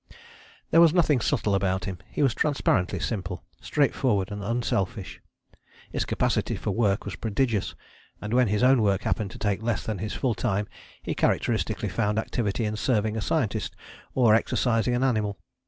There was nothing subtle about him. He was transparently simple, straightforward and unselfish. His capacity for work was prodigious, and when his own work happened to take less than his full time he characteristically found activity in serving a scientist or exercising an animal.